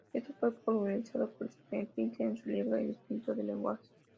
Esto fue popularizado por Steven Pinker en su libro "El instinto del lenguaje".